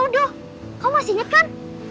aduh kok masih ingat kan